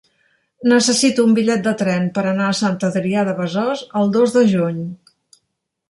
Necessito un bitllet de tren per anar a Sant Adrià de Besòs el dos de juny.